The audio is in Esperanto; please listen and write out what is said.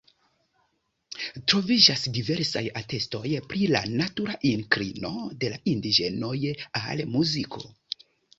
Troviĝas diversaj atestoj pri la natura inklino de la indiĝenoj al muziko.